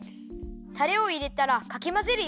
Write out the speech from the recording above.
たれをいれたらかきまぜるよ。